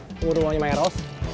tunggu rumahnya maeros